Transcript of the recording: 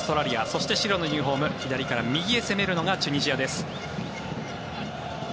そして白のユニホーム左から右へ攻めるのがチュニジアです。